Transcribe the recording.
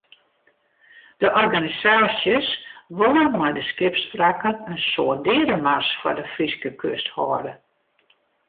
De organisaasjes wolle mei de skipswrakken in soart deademars foar de Fryske kust hâlde.